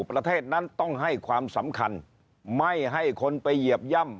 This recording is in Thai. ประเทศนั้นต้องให้ความสำคัญไม่ให้คนไปเหยียบย่ำ